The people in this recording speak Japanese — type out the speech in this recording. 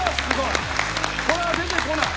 これは出てこない。